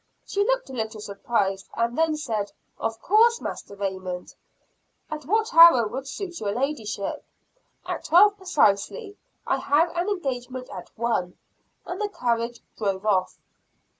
She looked a little surprised, and then said, "Of course, Master Raymond." "At what hour will it suit your ladyship?" "At twelve, precisely, I have an engagement at one;" and the carriage drove off.